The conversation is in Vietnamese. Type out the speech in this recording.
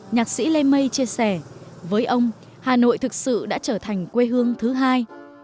nhạc sĩ lê mây chia sẻ với ông hà nội thực sự đã trở thành quê hương thứ hai